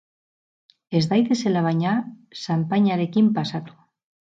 Ez daitezela, baina, xanpainarekin pasatu.